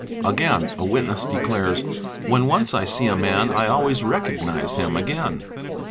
Again a witness declares, ' When once I see a man I always recognise him again."